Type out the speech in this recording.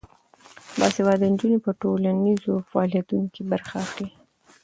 باسواده نجونې په ټولنیزو فعالیتونو کې برخه اخلي.